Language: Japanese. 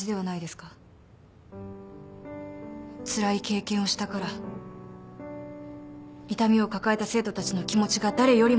つらい経験をしたから痛みを抱えた生徒たちの気持ちが誰よりも分かる。